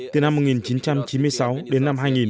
từ năm một nghìn chín trăm chín mươi sáu đến năm hai nghìn